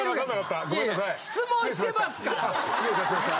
失礼いたしました。